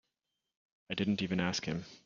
I didn't even ask him.